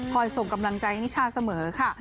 ส่งกำลังใจให้นิชาเสมอค่ะ